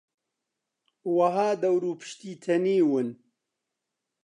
وەها دەور و پشتی تەنیون